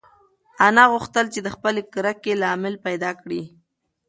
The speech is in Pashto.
انا غوښتل چې د خپلې کرکې لامل پیدا کړي.